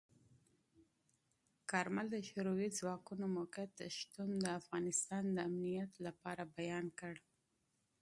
کارمل د شوروي ځواکونو موقت شتون د افغانستان د امنیت لپاره بیان کړ.